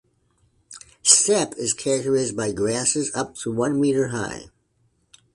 Steppe is characterized by grasses up to one meter high.